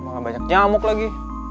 emang gak banyak nyamuk lagi